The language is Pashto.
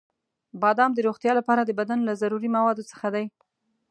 • بادام د روغتیا لپاره د بدن له ضروري موادو څخه دی.